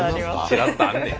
ちらっとあんねん。